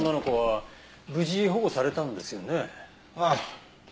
ああ。